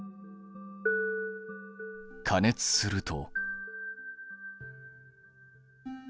加熱すると。